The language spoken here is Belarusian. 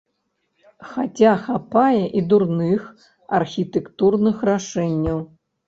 Хаця хапае і дурных архітэктурных рашэнняў.